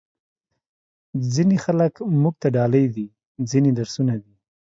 ځینې خلک موږ ته ډالۍ دي، ځینې درسونه دي.